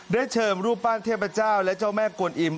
ได้เชิมรูปบ้านเทพเจ้าและเจ้าแม่กลงอิม